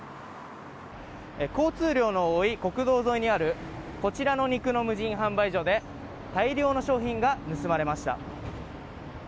交通量の多い国道沿いにあるこちらの肉の無人販売所で大量の商品が盗まれました。